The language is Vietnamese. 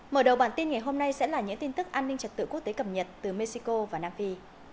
mở đầu bản tin ngày hôm nay sẽ là những tin tức an ninh trật tự quốc tế cập nhật từ mexico và nam phi